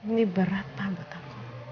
ini berapa buat kamu